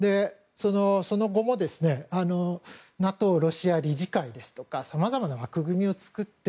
その後もＮＡＴＯロシア理事会ですとかさまざまな枠組みを作り